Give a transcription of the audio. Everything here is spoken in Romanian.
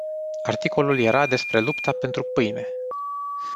Articolul era despre lupta pentru pâine.